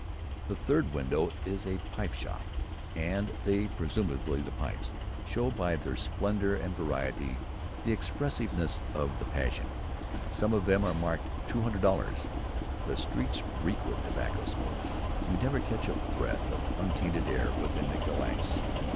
Every third window is a pipe shop, and they [presumably the pipes] show, by their splendour and variety, the expensiveness of the passion. Some of them are marked '200 dollars.' The streets reek with tobacco smoke. You never catch a breath of untainted air within the Glacis.